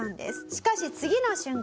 しかし次の瞬間